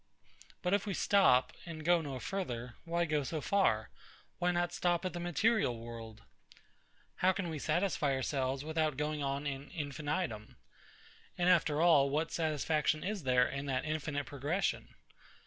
But if we stop, and go no further; why go so far? why not stop at the material world? How can we satisfy ourselves without going on in infinitum? And, after all, what satisfaction is there in that infinite progression?